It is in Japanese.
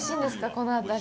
この辺り。